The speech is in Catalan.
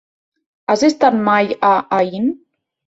Has estat mai a Aín?